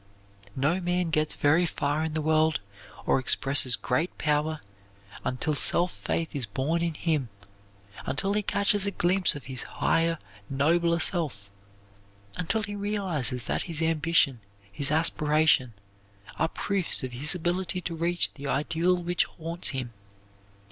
No man gets very far in the world or expresses great power until self faith is born in him; until he catches a glimpse of his higher, nobler self; until he realizes that his ambition, his aspiration, are proofs of his ability to reach the ideal which haunts him.